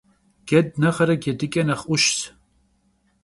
Ced nexhre cedıç'e nexh 'Uşş.